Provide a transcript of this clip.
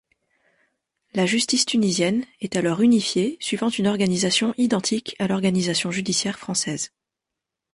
La justice tunisienne est alors unifiée suivant une organisation identique à l’organisation judiciaire française.